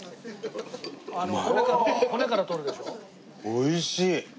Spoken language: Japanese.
おいしい。